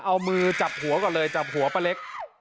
เอามือจับหัวก่อนเลยจับหัวป้าเล็ก